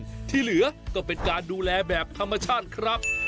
การเปลี่ยนแปลงในครั้งนั้นก็มาจากการไปเยี่ยมยาบที่จังหวัดก้าและสินใช่ไหมครับพี่รำไพ